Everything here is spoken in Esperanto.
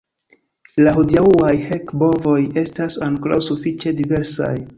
La hodiaŭaj hek-bovoj estas ankoraŭ sufiĉe diversaj.